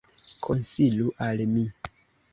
Konsilu al mi.